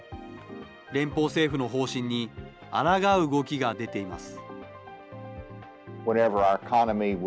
連邦政府の方針にあらがう動きが出ています。